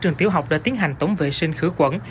trường tiểu học đã tiến hành tổng vệ sinh khứ quẩn